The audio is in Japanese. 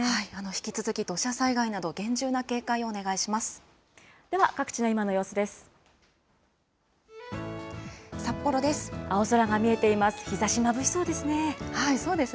引き続き土砂災害など警戒をお願いします。